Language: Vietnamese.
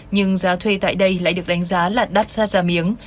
nhưng giá thuê tại đây lại được đánh giá là đắt ra giá miếng